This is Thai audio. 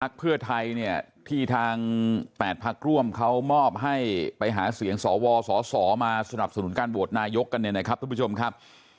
หัวหน้าภักดิ์เพื่อไทยเนี่ยที่ทาง๘พักร่วมเขามอบให้ไปหาเสียงสวสสมาสนับสนุนการโบสถ์นายกกันเนี่ยนะครับทุกผู้ชมครับ